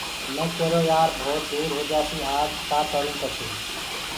مي ڪيرو يآر ڀوتَ دير هوجآسي آج ڪآ ڪرونٚ پڇي